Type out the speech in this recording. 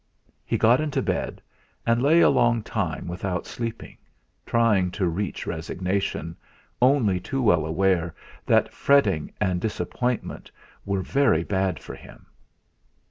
He got into bed, and lay a long time without sleeping, trying to reach resignation, only too well aware that fretting and disappointment were very bad for him.